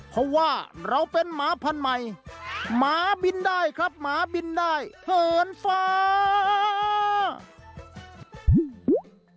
เพราะว่าเราเป็นหมาพันธุ์ใหม่หมาบินได้ครับหมาบินได้เหินฟ้า